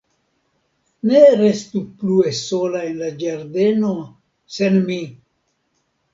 Ne restu plue sola en la ĝardeno, sen mi!